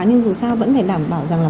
nhưng dù sao vẫn phải đảm bảo rằng là